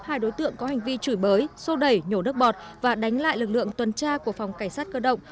hai đối tượng có hành vi chửi bới sô đẩy nhổ nước bọt và đánh lại lực lượng tuần tra của phòng cảnh sát cơ động